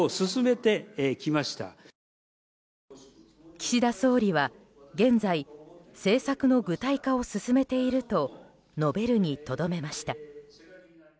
岸田総理は現在政策の具体化を進めていると述べるにとどめました。